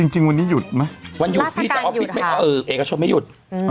จริงวันนี้หยุดไหมวันหยุดราชการหยุดค่ะเอเกศชนไม่หยุด